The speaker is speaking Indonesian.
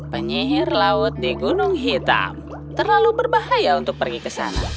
penyihir laut di gunung hitam terlalu berbahaya untuk pergi ke sana